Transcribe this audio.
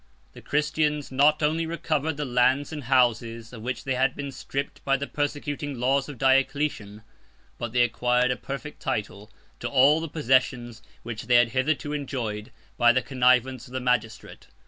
101 The Christians not only recovered the lands and houses of which they had been stripped by the persecuting laws of Diocletian, but they acquired a perfect title to all the possessions which they had hitherto enjoyed by the connivance of the magistrate.